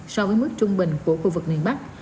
so với mức trung bình của khu vực miền bắc